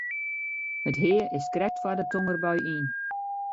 It hea is krekt foar de tongerbui yn.